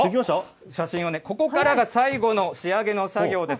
写真をね、ここからが最後の仕上げの作業です。